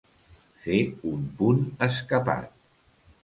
Fer un punt escapat.